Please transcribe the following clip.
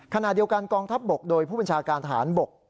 ขณะเดียวกันกองทัพบกโดยผู้บัญชาการฐานบก